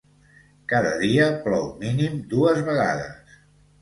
Cada dia plou mínim dues vegades.